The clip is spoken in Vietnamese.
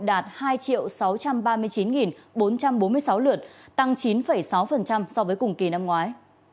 đạt hai sáu trăm ba mươi chín bốn trăm bốn mươi sáu lượt tăng chín sáu so với cùng kỳ năm ngoái